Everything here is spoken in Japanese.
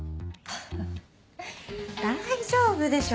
⁉フフ大丈夫でしょ